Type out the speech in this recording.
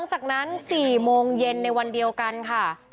จากนั้น๔โมงเย็นในวันเดียวกันค่ะ